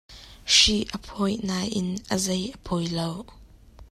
Hri a poih nain a zei a poi lo.